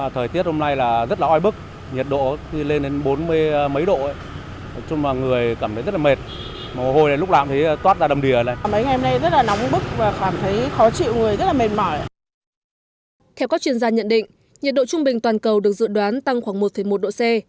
theo các chuyên gia nhận định nhiệt độ trung bình toàn cầu được dự đoán tăng khoảng một một độ c